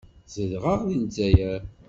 Zedɣeɣ deg Lezzayer.